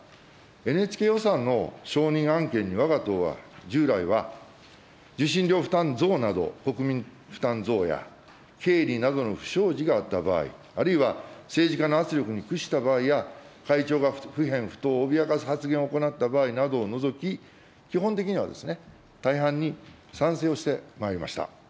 ＮＨＫ予算の承認案件に、わが党は従来は受信料負担増など、国民負担増や経理などの不祥事があった場合、あるいは政治家の圧力に屈した場合や、会長が不偏不党を脅かす発言を行った場合などを除き、基本的には大半に賛成をしてまいりました。